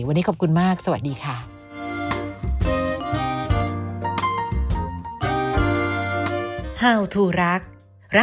วันนี้ขอบคุณมากสวัสดีค่ะ